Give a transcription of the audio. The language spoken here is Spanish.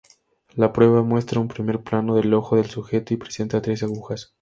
La prueba muestra un primer plano del ojo del sujeto y presenta tres agujas.